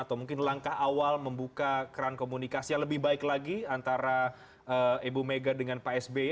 atau mungkin langkah awal membuka keran komunikasi yang lebih baik lagi antara ibu mega dengan pak sby